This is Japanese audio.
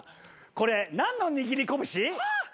これ何の握り拳？